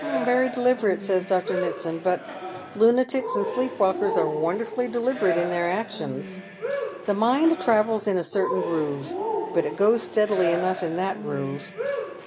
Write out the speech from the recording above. " Very deliberate," says Dr. Mitsand ;" but lunatics and sleep walkers are wonderfully deliberate in their actions. The mind travels in a ceilain groove, but it goes steadily enough in that groove."